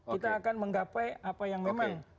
kita akan menggapai apa yang memang